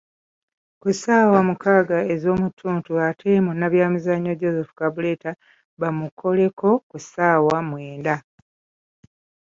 Ku ssaawa mukaaga ez'omu ttuntu ate Munnabyamizannyo Joseph Kabuleta baamukoleko ku ssaawa mwenda .